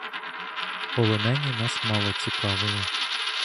Полонені нас мало цікавили.